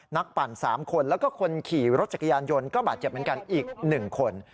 ปั่น๓คนแล้วก็คนขี่รถจักรยานยนต์ก็บาดเจ็บเหมือนกันอีก๑คน